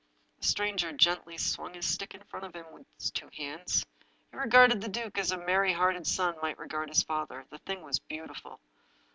The stranger gently swung his stick in front of him with his two hands. He regarded the duke as a merry hearted son might regard his father. The thing was beautiful